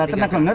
ya tidak honor